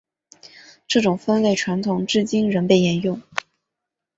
这种分类传统至今仍被沿用。